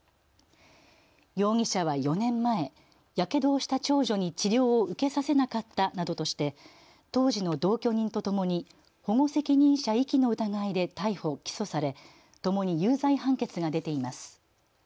容疑者は４年前やけどをした長女に治療を受けさせなかったなどとして当時の同居人とともに保護責任者遺棄の疑いで逮捕、起訴されともに有罪判決が出ています。